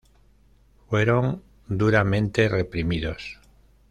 Fueron duramente reprimidos.